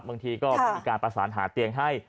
บางทีก็มีการประสานหาเตียงให้